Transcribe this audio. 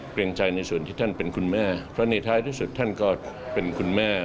เกรงใจในส่วนที่ท่านเป็นคุณแม่เพราะในท้ายที่สุดท่านก็เป็นคุณแม่